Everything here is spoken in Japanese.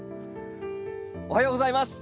おはようございます。